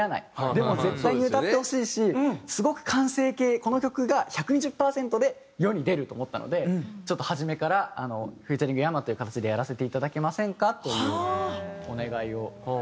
でも絶対に歌ってほしいしすごく完成形この曲が１２０パーセントで世に出ると思ったので「ちょっと初めから“ｆｅａｔ．ｙａｍａ”という形でやらせていただけませんか？」というお願いを。